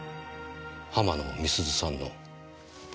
浜野美涼さんの。